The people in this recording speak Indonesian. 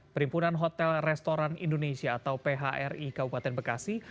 perhimpunan hotel restoran indonesia atau phri kabupaten bekasi